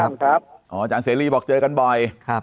สวัสดีครับอาจารย์เสรีบอกเจอกันบ่อยครับ